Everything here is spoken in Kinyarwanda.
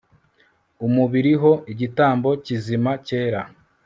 umubiri ho igitambo kizima cyera